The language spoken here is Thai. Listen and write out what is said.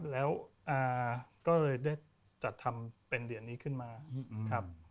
แล้วก็ได้จัดทำเป็นเหรียญนี้ขึ้นมาครับ